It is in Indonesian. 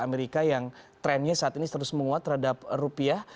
amerika yang trennya saat ini terus menguat terhadap rupiah